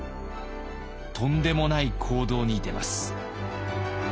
とんでもない行動に出ます。